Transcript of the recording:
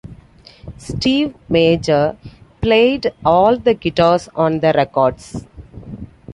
Steve Major played all the guitars on the records.